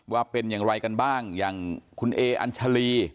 ว่าเป็นอย่างไรกันบ้างอย่างคุณเออัญชาลี